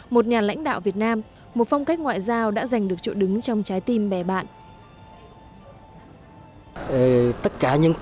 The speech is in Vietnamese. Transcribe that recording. một nhà lãnh đạo việt nam một phong cách ngoại giao đã giành được chỗ đứng trong trái tim bè bạn